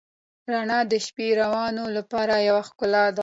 رڼا د شپهروانو لپاره یوه ښکلا ده.